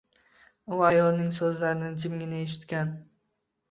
U ayolning soʻzlarini jimgina eshitgan.